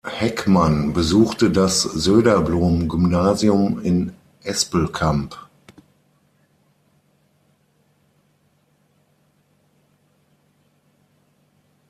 Heckmann besuchte das Söderblom-Gymnasium in Espelkamp.